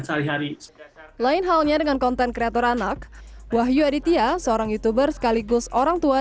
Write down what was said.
sehari hari lain lain halnya dengan konten kreator anak wahyu aditya seorang youtuber sekaligus orang tua